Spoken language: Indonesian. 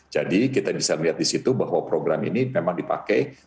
jadi kita bisa melihat di situ bahwa program ini memang dipakai